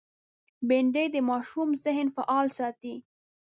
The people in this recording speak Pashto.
بېنډۍ د ماشوم ذهن فعال ساتي